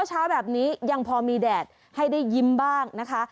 เช้าแบบนี้ยังพอมีแดดให้ได้ยิ้มบ้างนะคะ